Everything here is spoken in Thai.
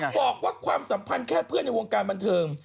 จะบอกว่าความสัมพันธ์แค่เพื่อนในวงการบรรเทิม